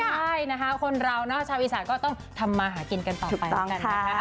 ใช่นะคะคนเราชาวอีสานก็ต้องทำมาหากินกันต่อไปแล้วกันนะคะ